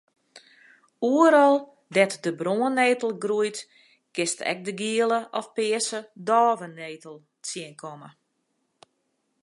Oeral dêr't de brannettel groeit kinst ek de giele of pearse dôvenettel tsjinkomme.